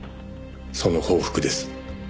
「その報復です」